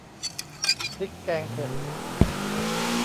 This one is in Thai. พริกแกงเผ็ด